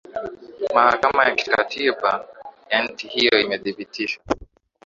mahakama ya katiba ya nchi hiyo imethibitisha